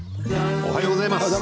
おはようございます。